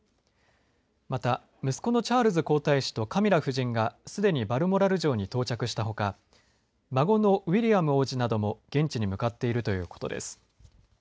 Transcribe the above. また、息子のチャールズ皇太子とカミラ夫人がすでにバルモラル城に到着したほか孫のウィリアム王子なども現地に向かっているということです。